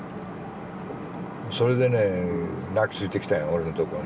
それでね泣きついてきたんや俺のとこに。